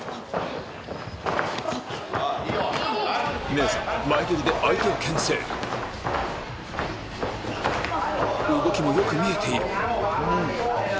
姉さん前蹴りで相手をけん制動きもよく見えている・